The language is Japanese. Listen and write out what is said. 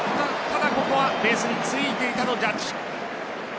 ただ、ここはベースについていたのでジャッジ。